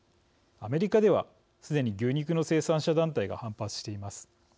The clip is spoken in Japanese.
アメリカではすでに牛肉の生産者団体が反発しています。